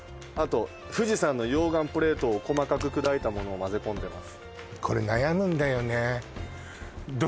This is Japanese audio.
富士山の溶岩プレートを細かく砕いたものを混ぜ込んでます